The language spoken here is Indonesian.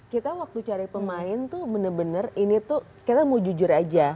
kita waktu cari pemain tuh bener bener ini tuh kita mau jujur aja